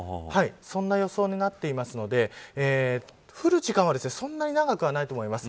そんな予想になっているので降る時間はそんなに長くはないと思います。